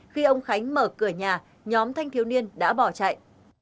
khi ông khánh mở cửa nhà nhóm thanh thiếu niên đã bỏ chạy